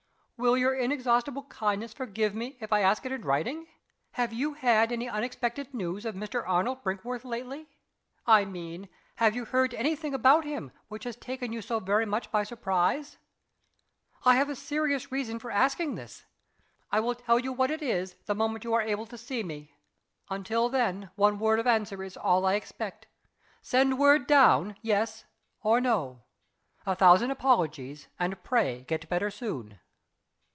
Will your inexhaustible kindness forgive me if I ask it in writing? Have you had any unexpected news of Mr. Arnold Brinkworth lately? I mean, have you heard any thing about him, which has taken you very much by surprise? I have a serious reason for asking this. I will tell you what it is, the moment you are able to see me. Until then, one word of answer is all I expect. Send word down Yes, or No. A thousand apologies and pray get better soon!"